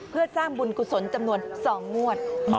เพื่อสร้างบุญกุศลจำนวน๒งวด